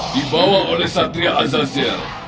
dibawa oleh satria azazel